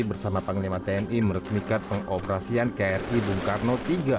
bersama panglima tni meresmikan pengoperasian kri bung karno tiga ratus enam puluh sembilan